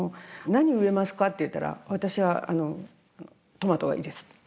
何を植えますかと言ったら私はトマトがいいです